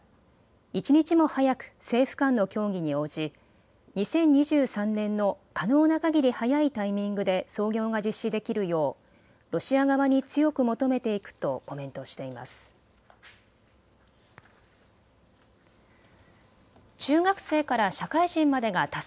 一日も早く政府間の協議に応じ２０２３年の可能なかぎり早いタイミングで操業が実施できるようロシア側に強く求めていくとコメントしています。